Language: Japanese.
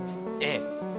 ええ。